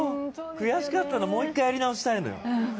悔しかったの、もう一回やり直したいのよ。